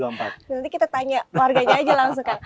nanti kita tanya warganya aja langsung kan